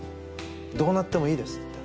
どうなってもいいです。